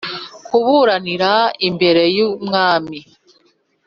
Kuburanira imbere y umwami